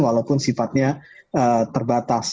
walaupun sifatnya terbatas